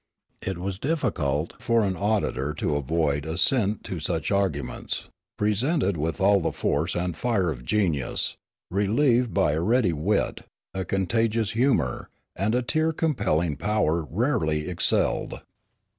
It was difficult for an auditor to avoid assent to such arguments, presented with all the force and fire of genius, relieved by a ready wit, a contagious humor, and a tear compelling power rarely excelled.